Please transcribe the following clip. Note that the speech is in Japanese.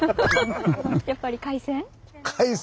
やっぱり海鮮？